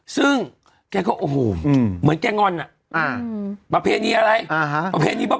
ซึ่งแกก็โอ้โหเหมือนแกงอนน่ะประเภทนี้อะไรประเภทนี้บ้าบ่อ